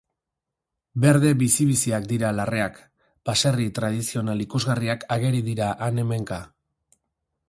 Berde bizi-biziak dira larreak, baserri tradizional ikusgarriak ageri dira han-hemenka.